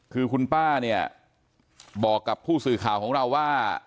คือคุณป้าเนี่ยบอกกับผู้สื่อข่าวของเราว่า